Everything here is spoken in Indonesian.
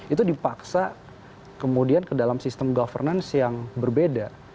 itu dipaksa kemudian ke dalam sistem governance yang berbeda